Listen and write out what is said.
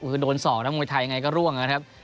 คือโดน๒แล้วมวยไทยยังไงก็ร่วงนะครับ